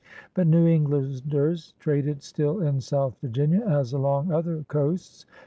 But New Englanders traded still in South Virginia as along other coasts.